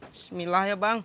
bismillah ya bang